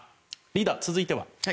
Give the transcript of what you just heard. リーダー、続いては。